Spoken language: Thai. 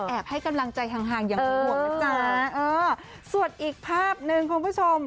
ให้กำลังใจห่างอย่างห่วงนะจ๊ะเออส่วนอีกภาพหนึ่งคุณผู้ชม